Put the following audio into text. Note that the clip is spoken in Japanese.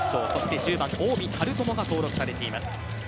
１０番・近江晴友が登録されています。